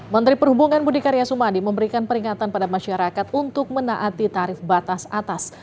menteri perhubungan budi karya sumadi memberikan peringatan pada masyarakat untuk menaati tarif batas atas